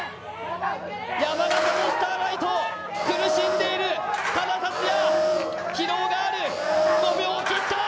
山形のスターライト、苦しんでいる多田竜也、疲労がある、５秒を切った。